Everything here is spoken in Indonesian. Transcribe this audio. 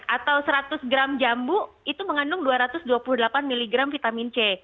atau seratus gram jambu itu mengandung dua ratus dua puluh delapan mg vitamin c